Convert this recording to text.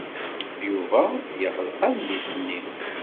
Yuba yeɣleq adlis-nni.